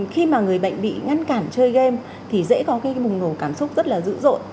khi mà người bệnh bị ngăn cản chơi game thì dễ có cái bùng nổ cảm xúc rất là dữ dội